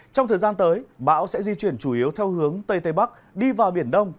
trong thời gian tới bão sẽ di chuyển chủ yếu theo hướng tây tây bắc đi vào biển đông